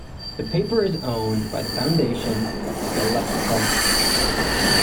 The paper is owned by the foundation Skelleftepress.